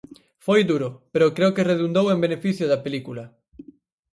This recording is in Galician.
Foi duro, pero creo que redundou en beneficio da película.